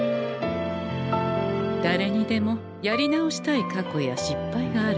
だれにでもやり直したい過去や失敗があるもの。